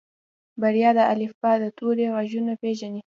بريا د الفبا د تورو غږونه پېژني.